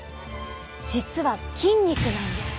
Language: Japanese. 実は筋肉なんです。